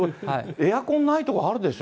エアコンないとこあるでしょ？